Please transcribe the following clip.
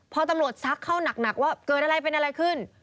พอตำรวจซักเข้าหนักว่าเกิดอะไรเป็นอะไรขึ้น